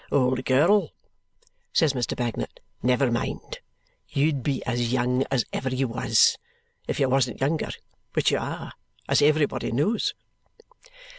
"Old girl," says Mr. Bagnet, "never mind. You'd be as young as ever you was. If you wasn't younger. Which you are. As everybody knows."